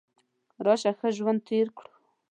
راشه ښه ژوند تیر کړو .